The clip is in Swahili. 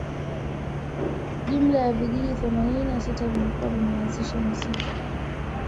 Jumla ya vijiji themanini na sita vilikuwa vimeanzisha misitu